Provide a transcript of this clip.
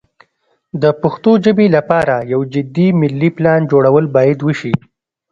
د پښتو ژبې لپاره یو جدي ملي پلان جوړول باید وشي.